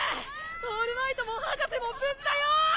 オールマイトも博士も無事だよ！